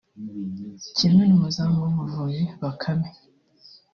kimwe n’umuzamu w’Amavubi Bakame